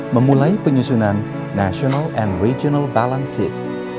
memulai penyusunan national and regional balance sheet